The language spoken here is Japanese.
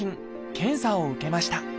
検査を受けました。